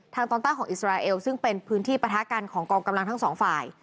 ตอนใต้ของอิสราเอลซึ่งเป็นพื้นที่ปะทะกันของกองกำลังทั้งสองฝ่าย